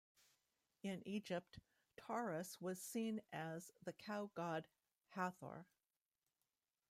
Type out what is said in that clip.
In Egypt, Taurus was seen as the cow goddess Hathor.